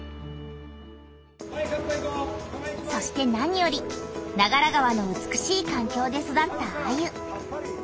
そしてなにより長良川の美しいかんきょうで育ったアユ。